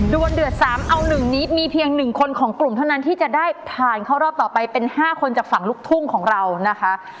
วนเดือด๓เอา๑นิดมีเพียง๑คนของกลุ่มเท่านั้นที่จะได้ผ่านเข้ารอบต่อไปเป็น๕คนจากฝั่งลูกทุ่งของเรานะคะ